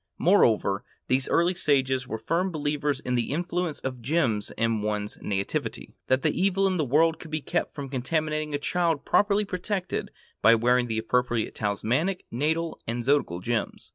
Moreover, these early sages were firm believers in the influence of gems in one's nativity,—that the evil in the world could be kept from contaminating a child properly protected by wearing the appropriate talismanic, natal, and zodiacal gems.